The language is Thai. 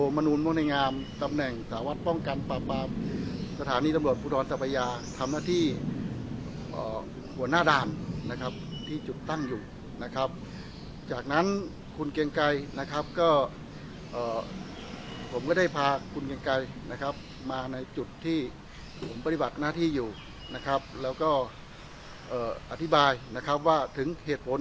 จากเวลา๔๒จากเวลา๔๒จากเวลา๔๒จากเวลา๔๒จากเวลา๔๒จากเวลา๔๒จากเวลา๔๒จากเวลา๔๒จากเวลา๔๒จากเวลา๔๒จากเวลา๔๒จากเวลา๔๒จากเวลา๔๒จากเวลา๔๒จากเวลา๔๒จากเวลา๔๒จากเวลา๔๒จากเวลา๔๒จากเวลา๔๒จากเวลา๔๒จากเวลา๔๒จากเวลา๔๒จากเวลา๔๒จากเวลา๔๒จากเวลา๔๒จากเวลา๔๒จากเวลา๔๒จากเวล